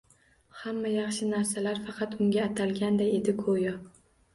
Hamma yaxshi narsalar faqat unga atalganday edi, go‘yo.